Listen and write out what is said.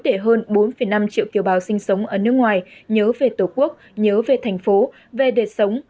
để hơn bốn năm triệu kiều bào sinh sống ở nước ngoài nhớ về tổ quốc nhớ về thành phố về đời sống